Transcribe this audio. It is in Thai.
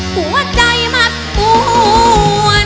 หัวใจมัดปวน